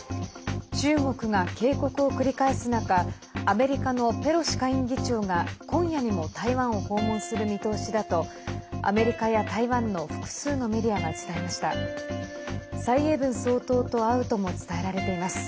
中国が警告を繰り返す中アメリカのペロシ下院議長が今夜にも台湾を訪問する見通しだとアメリカや台湾の複数のメディアが伝えました。